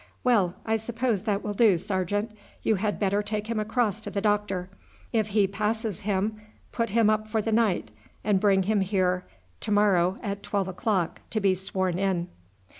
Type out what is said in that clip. "Well, I suppose that will do, sergeant. You had better take him across to the doctor. If he passes him put him up for the night, and bring him here to morrow at twelve o'clock to be sworn in."